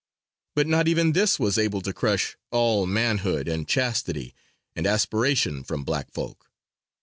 But not even this was able to crush all manhood and chastity and aspiration from black folk.